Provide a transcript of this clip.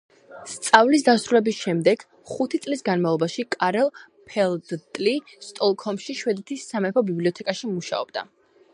სწავლის დასრულების შემდეგ ხუთი წლის განმავლობაში კარლფელდტი სტოკჰოლმში, შვედეთის სამეფო ბიბლიოთეკაში მუშაობდა.